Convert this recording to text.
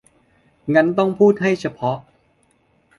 งั้นต้องพูดให้เฉพาะ